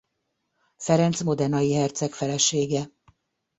Ferenc modenai herceg felesége.